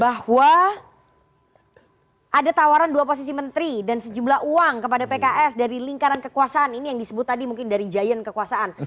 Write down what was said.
bahwa ada tawaran dua posisi menteri dan sejumlah uang kepada pks dari lingkaran kekuasaan ini yang disebut tadi mungkin dari giant kekuasaan